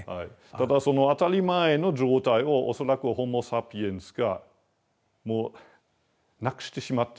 ただその当たり前の状態を恐らくホモサピエンスがもうなくしてしまっているんですね。